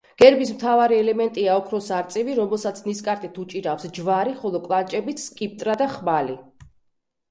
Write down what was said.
გერბის მთავარი ელემენტია ოქროს არწივი, რომელსაც ნისკარტით უჭირავს ჯვარი, ხოლო კლანჭებით სკიპტრა და ხმალი.